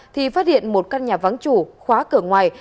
thì phát hiện một căn nhà vắng chủ khóa cửa ngoài